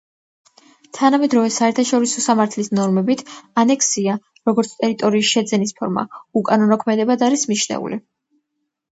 თანამედროვე საერთაშორისო სამართლის ნორმებით, ანექსია, როგორც ტერიტორიის შეძენის ფორმა, უკანონო ქმედებად არის მიჩნეული.